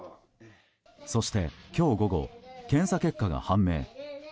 そして、今日午後検査結果が判明。